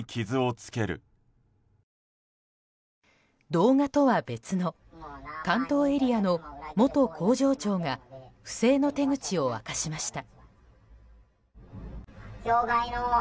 動画とは別の関東エリアの元工場長が不正の手口を明かしました。